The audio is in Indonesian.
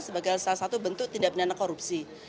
sebagai salah satu bentuk tindak pidana korupsi